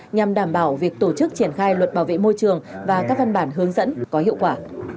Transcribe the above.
nhằm đảm bảo việc tổ chức triển khai luật bảo vệ môi trường và các văn bản hướng dẫn có hiệu quả